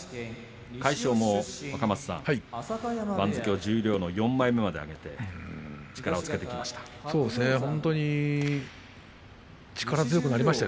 魁勝も、若松さん番付を十両の４枚目まで上げてきました。